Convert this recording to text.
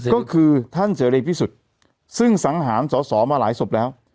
ก็คือท่านเสรีพิสุทธิ์ซึ่งสังหารสอสอมาหลายศพแล้ว